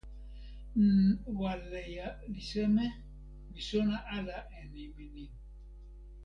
n... waleja li seme? mi sona ala e nimi ni.